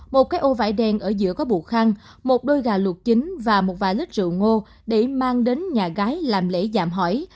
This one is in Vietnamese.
một cái ô vải đen ở giữa có bột khăn một đôi gà luộc chính và một vài lít rượu ngô để mang đến nhà gái làm lễ dạng hỏi